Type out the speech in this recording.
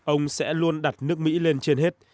ông sẽ luôn đặt nước mỹ lên trên hết